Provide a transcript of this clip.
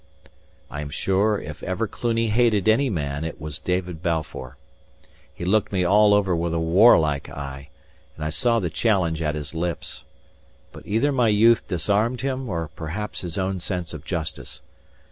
I am sure if ever Cluny hated any man it was David Balfour. He looked me all over with a warlike eye, and I saw the challenge at his lips. But either my youth disarmed him, or perhaps his own sense of justice.